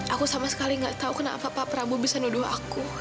aku sama sekali nggak tahu kenapa pak prabowo bisa nuduh aku